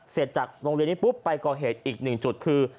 จากโรงเรียนนี้ปุ๊บไปก่อเหตุอีกหนึ่งจุดคือ